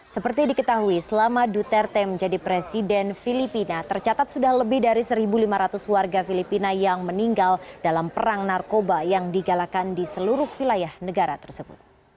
seperti diketahui selama duterte menjadi presiden filipina tercatat sudah lebih dari satu lima ratus warga filipina yang meninggal dalam perang narkoba yang digalakan di seluruh wilayah negara tersebut